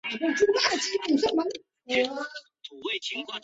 川崎新町站的铁路车站。